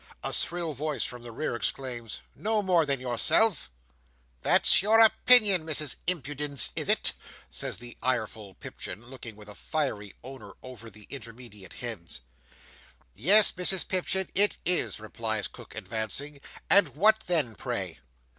A shrill voice from the rear exclaims, "No more than yourself!" "That's your opinion, Mrs Impudence, is it?" says the ireful Pipchin, looking with a fiery eye over the intermediate heads. "Yes, Mrs Pipchin, it is," replies Cook, advancing. "And what then, pray?"